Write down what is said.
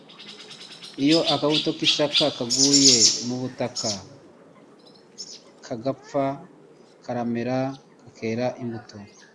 Iyo akabuto k'ishaka kaguye mu butaka kagapfa, karamera kakera imbuto.